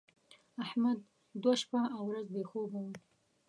احمد دوه شپه او ورځ بې خوبه و.